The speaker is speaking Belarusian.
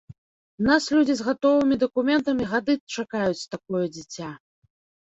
У нас людзі з гатовымі дакументамі гады чакаюць такое дзіця.